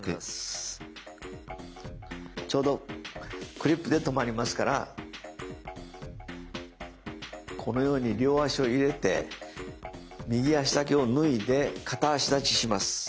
ちょうどクリップで留まりますからこのように両足を入れて右足だけを脱いで片足立ちします。